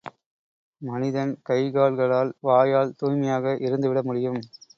மனிதன் கைகால்களால் வாயால் தூய்மையாக இருந்துவிட முடியும்.